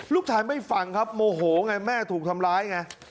ไม่ฟังครับโมโหไงแม่ถูกทำร้ายไง